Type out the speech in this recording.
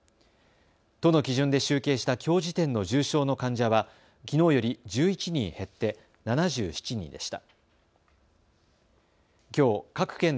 都の基準で集計したきょう時点の重症の患者は、きのうより１１人減って７７人でした。